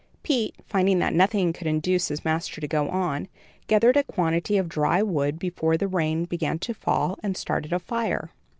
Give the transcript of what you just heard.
Pete, finding that nothing could induce his master to go on, gathered a quantity of dry wood before the rain began to fall, and started a fire.